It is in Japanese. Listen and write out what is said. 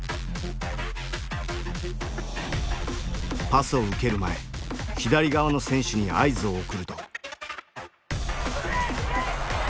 パスを受ける前左側の選手に合図を送ると。